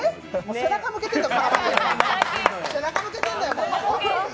背中向けてるんだよ。